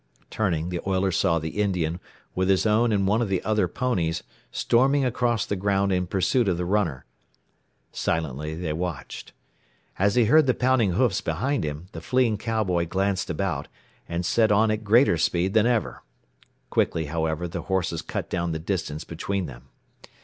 Turning, the oiler saw the Indian, with his own and one of the other ponies, storming across the ground in pursuit of the runner. Silently they watched. As he heard the pounding hoofs behind him, the fleeing cowboy glanced about, and set on at greater speed than ever. Quickly, however, the horses cut down the distance between them.